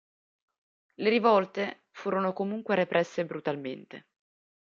Le rivolte furono comunque represse brutalmente.